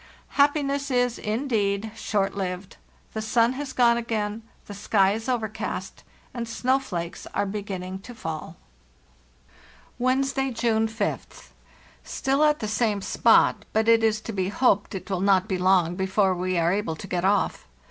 "Happiness is, indeed, short lived. The sun has gone again, the sky is overcast, and snowflakes are be ginning to fall. "Wednesday, June 5th. Still at the same spot, but it is to be hoped it will not be long before we are able to get off.